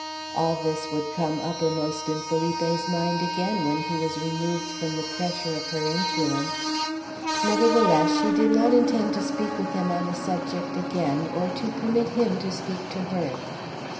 All this would come uppermost in Felipe's mind again when he was removed from the pressure of her influence. Nevertheless, she did not intend to speak with him on the subject again, or to permit him to speak to her.